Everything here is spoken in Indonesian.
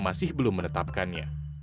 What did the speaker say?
masih belum menetapkannya